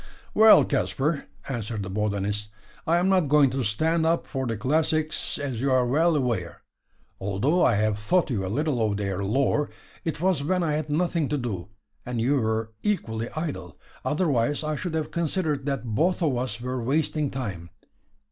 "Well, Caspar," answered the botanist, "I am not going to stand up for the classics, as you are well aware. Although I have taught you a little of their lore, it was when I had nothing to do, and you were equally idle; otherwise I should have considered that both of us were wasting time.